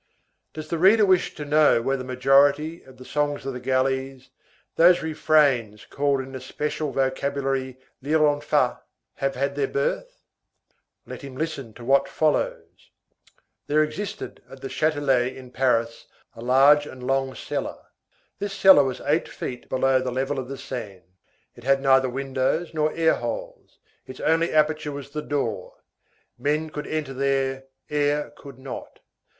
Does the reader wish to know where the majority of the songs of the galleys, those refrains called in the special vocabulary lirlonfa, have had their birth? Let him listen to what follows:— There existed at the Châtelet in Paris a large and long cellar. This cellar was eight feet below the level of the Seine. It had neither windows nor air holes, its only aperture was the door; men could enter there, air could not.